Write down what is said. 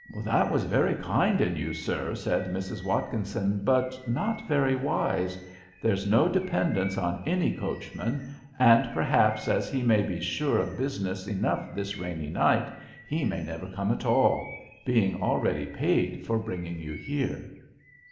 "That was very kind in you, sir," said Mrs. Watkinson, "but not very wise. There's no dependence on any coachman; and perhaps as he may be sure of business enough this rainy night he may never come at all—being already paid for bringing you here."